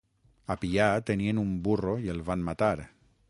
A Pià, tenien un burro i el van matar.